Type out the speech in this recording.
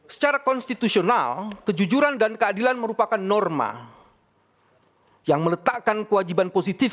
secara konstitusional kejujuran dan keadilan merupakan norma yang meletakkan kewajiban positif